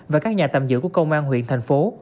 và các nhà tạm giữ của công an huyện thành phố